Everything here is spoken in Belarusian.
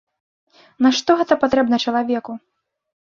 Нашто гэта патрэбна чалавеку!